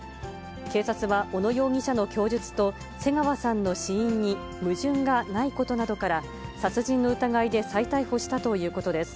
警察は小野容疑者の供述と瀬川さんの死因に矛盾がないことなどから、殺人の疑いで再逮捕したということです。